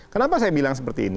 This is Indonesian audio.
kenapa saya bilang seperti ini